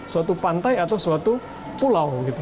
suatu pantai atau suatu pulau gitu